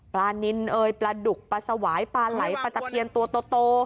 นินเอ่ยปลาดุกปลาสวายปลาไหลปลาตะเพียนตัวโต